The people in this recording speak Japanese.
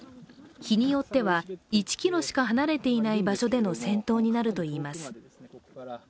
日によっては、１ｋｍしか離れていない場所での戦闘になるといいます。